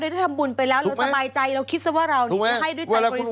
เราได้ทำบุญไปแล้วเราสบายใจเราคิดว่าเราให้ด้วยใจปริสุทธิ์